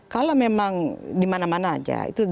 kalau memang di mana mana aja